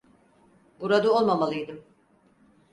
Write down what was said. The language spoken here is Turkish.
Burada olmamalıydım.